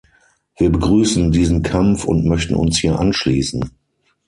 Wir begrüßen diesen Kampf und möchten uns hier anschließen.